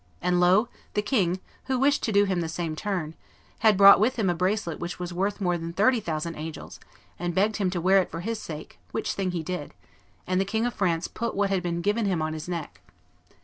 And, lo, the king, who wished to do him the same turn, had brought with him a bracelet which was worth more than thirty thousand angels, and begged him to wear it for his sake, which thing he did, and the King of France put what had been given him on his neck.